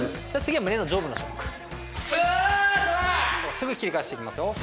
すぐ切り返して行きますよ。